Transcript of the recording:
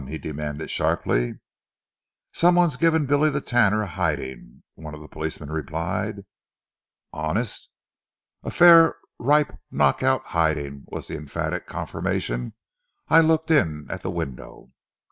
he demanded sharply. "Some one's giving Billy the Tanner a hiding," one of the policemen replied. "Honest?" "A fair, ripe, knock out hiding," was the emphatic confirmation. "I looked in at the window."